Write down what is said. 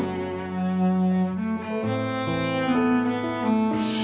bisa lihat berisik kalau kamu